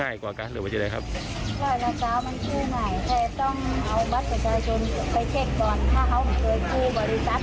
ถ้าเขาจงขอบดีจงบ่มดมีเรื่องไม่แล้วกัน